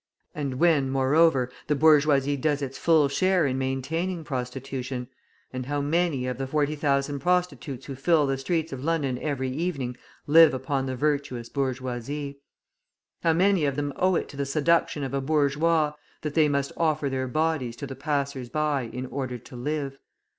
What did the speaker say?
And when, moreover, the bourgeoisie does its full share in maintaining prostitution and how many of the 40,000 prostitutes who fill the streets of London every evening live upon the virtuous bourgeoisie! How many of them owe it to the seduction of a bourgeois, that they must offer their bodies to the passers by in order to live?